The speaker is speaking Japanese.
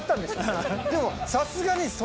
でもさすがに。